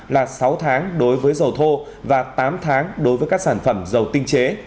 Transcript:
là sáu tháng đối với dầu thô và tám tháng đối với các sản phẩm dầu tinh chế